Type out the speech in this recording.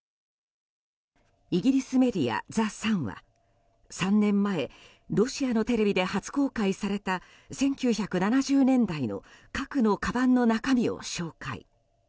イギリスメディアザ・サンは３年前ロシアのテレビで初公開された１９７０年代の核のかばんの中身を紹介。